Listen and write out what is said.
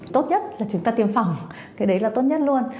tốt nhất là chúng ta tiêm phòng cái đấy là tốt nhất luôn